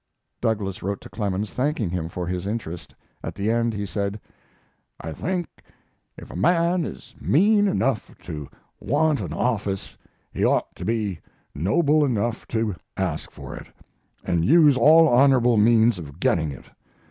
Douglass wrote to Clemens, thanking him for his interest; at the end he said: I think if a man is mean enough to want an office he ought to be noble enough to ask for it, and use all honorable means of getting it.